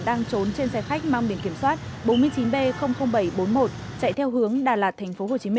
đang trốn trên xe khách mang biển kiểm soát bốn mươi chín b bảy trăm bốn mươi một chạy theo hướng đà lạt tp hcm